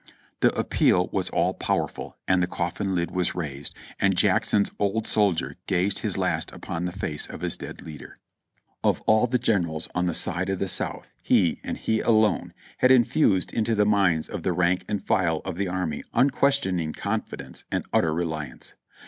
The appeal was all powerful and the coffin lid was raised, and Jackson's old soldier gazed his last upon the face of his dead leader. THE pii.i<AR oE The confederacy eaees 365 Of all the generals on the side of the South he, and he alone, had infused into the minds of the rank and file of the army un questioning confidence and utter reliance.